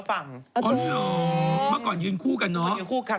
เป็นคุณควาน